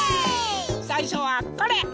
さいしょはこれ！